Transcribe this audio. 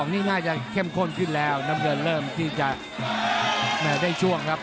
นี่น่าจะเข้มข้นขึ้นแล้วน้ำเงินเริ่มที่จะได้ช่วงครับ